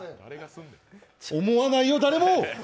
思わないよ、誰も！